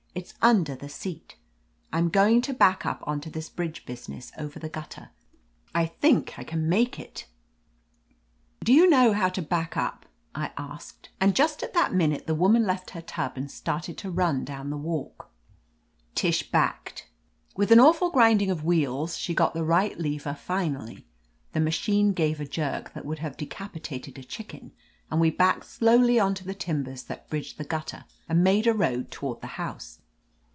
"It's under the seat. I'm going to back up on to this bridge business over the gutter. I think J can make it." "Do you know how to back up ?" I asked ; 233 THE AMAZING ADVENTURES and just at that minute the woman left her tub and started to run down the walk. Tish backed. With an awful grinding of wheels she got the right lever finally ; the ma chine gave a jerk that would have decapitated a chicken, and we backed slowly on to the timbers that bridged the gutter and made a road toward the house.